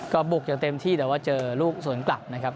ก็บุกอย่างเต็มที่แต่ว่าเจอลูกสวนกลับนะครับ